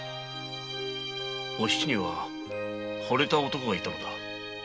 お七には惚れた男がいたのだ。